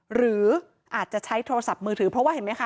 หรืออาจจะใช้โทรศัพท์มือถือเพราะว่าเห็นไหมคะ